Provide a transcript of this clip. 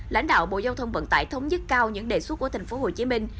lãnh đạo bộ giao thông vận tải thống nhất cao những đề xuất của thành phố hồ chí minh